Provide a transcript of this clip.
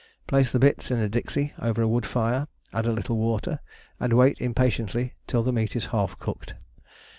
Place the bits in a dixie over a wood fire, add a little water, and wait impatiently till the meat is half cooked.